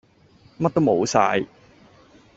乜都冇曬